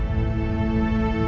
pangeran yang terjadi